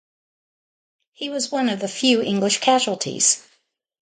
He was one of few English casualties.